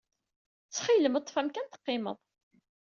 Ttxil-m, ḍḍef amkan teqqimed!